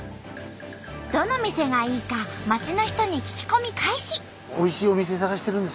どの店がいいか町の人に聞き込み開始！